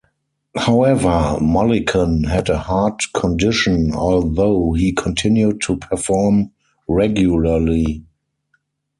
However, Mullican had a heart condition, although he continued to perform regularly.